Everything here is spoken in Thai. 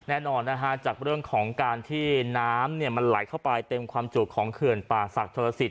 แน่นอนนะฮะจากเรื่องของการที่น้ำมันไหลเข้าไปเต็มความจุของเขื่อนป่าศักดิโทรศิษฐ